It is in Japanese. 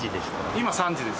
今３時です。